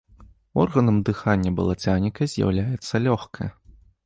Органам дыхання балацяніка з'яўляецца лёгкае.